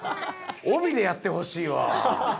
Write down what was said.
おびでやってほしいわ。